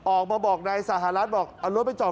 ออกมาบอกในสหรัฐบอกเอารถไปจอด